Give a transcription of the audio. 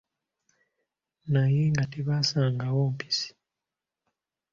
Naye nga tebasangawo mpisi.